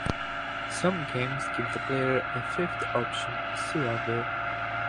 Some games give the player a fifth option, "surrender".